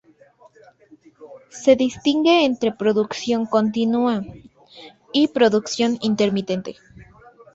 Se distingue entre producción continua y producción intermitente.